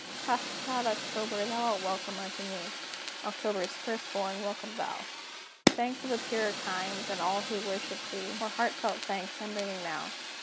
Ha! glad October, thou art welcome unto me! October's first born, welcome thou! Thanks of a purer kind, than all who worship thee, More heartfelt thanks I'm bringing now!